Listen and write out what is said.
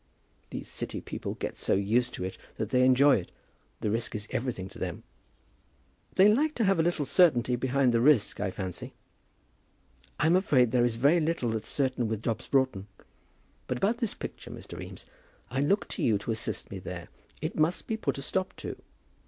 These City people get so used to it that they enjoy it. The risk is every thing to them." "They like to have a little certainty behind the risk, I fancy." "I'm afraid there is very little that's certain with Dobbs Broughton. But about this picture, Mr. Eames. I look to you to assist me there. It must be put a stop to.